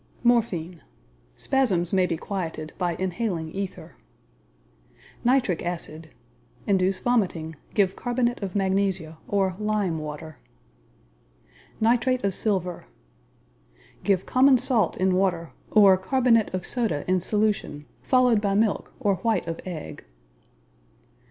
Morphine Spasms may be quieted by inhaling ether. Nitric Acid Induce vomiting. Give Carbonate of Magnesia, or lime water. Nitrate of Silver Give common salt in water, or carbonate of soda in solution, followed by milk, or white of egg.